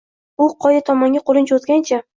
U qoya tomonga qo’lin cho’zgancha